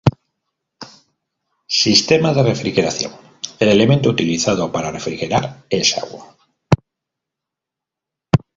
Sistema de refrigeración: El elemento utilizado para refrigerar es agua.